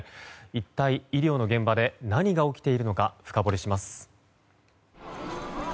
一体医療の現場で何が起きているのか深掘りします。